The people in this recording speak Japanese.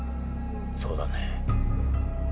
そうだね。